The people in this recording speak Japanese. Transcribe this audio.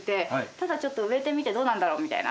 ただちょっと植えてみてどうなんだろうみたいな。